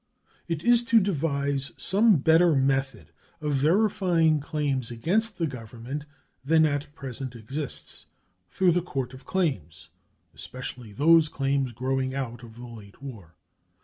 It is to devise some better method of verifying claims against the Government than at present exists through the Court of Claims, especially those claims growing out of the late war.